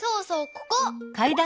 ここ！